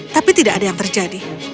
tapi tidak ada yang terjadi